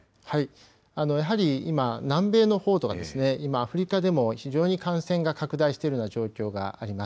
やはり今、南米のほうとか、今、アフリカでも非常に感染が拡大しているような状況があります。